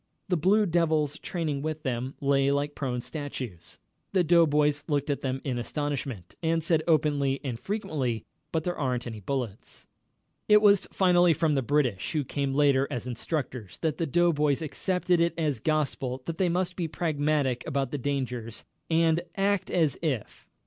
The Blue Devils training with them lay like prone statues. The doughboys looked at them in astonishment, and said, openly and frequently: "But there ain't any bullets." It was finally from the British, who came later as instructors, that the doughboys accepted it as gospel that they must be pragmatic about the dangers, and "act as if...."